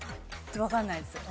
わかんないですよ